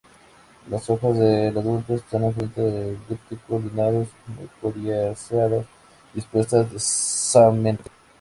Las hojas del adulto están enfrente, elíptico lineares, muy coriáceas y dispuestas densamente.